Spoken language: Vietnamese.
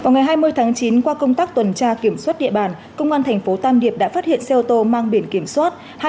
ngày hai mươi tháng chín qua công tác tuần tra kiểm soát địa bàn công an tp tan điệp đã phát hiện xe ô tô mang biển kiểm soát